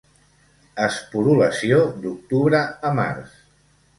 Esporulació d'octubre a març.